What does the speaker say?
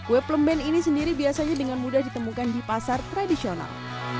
kue plemben ini sendiri biasanya dengan mudah ditemukan di pasar tradisional